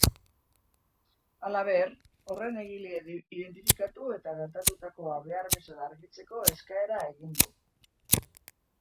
Halaber, horren egilea identifikatu eta gertatutakoa behar bezala argitzeko eskaera egin du.